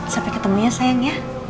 sampai ketemu ya sayang ya